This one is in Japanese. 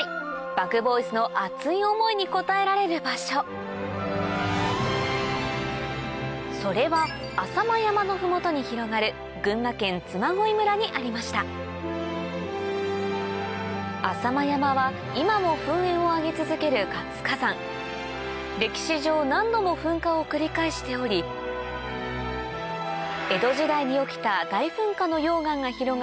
ＢｕｇＢｏｙｓのそれは浅間山の麓に広がる群馬県嬬恋村にありました浅間山は今も噴煙を上げ続ける活火山歴史上何度も噴火を繰り返しており江戸時代に起きた大噴火の溶岩が広がる